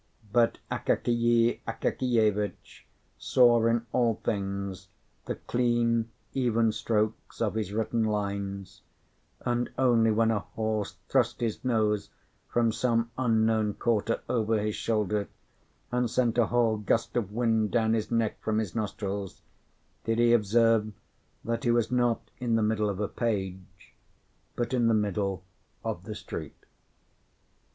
But Akakiy Akakievitch saw in all things the clean, even strokes of his written lines; and only when a horse thrust his nose, from some unknown quarter, over his shoulder, and sent a whole gust of wind down his neck from his nostrils, did he observe that he was not in the middle of a page, but in the middle of the street.